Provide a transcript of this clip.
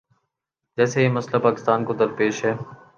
جیسے یہ مسئلہ پاکستان کو درپیش ہے۔